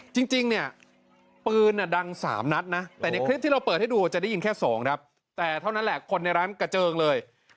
จริงเนี่ยปืนดัง๓นัดนะแต่ในคลิปที่เราเปิดให้ดูจะได้ยินแค่๒ครับแต่เท่านั้นแหละคนในร้านกระเจิงเลย